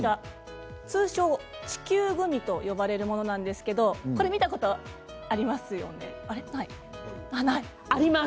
通称、地球グミと呼ばれるものなんですけれどもこれ見たことありますよね。あります！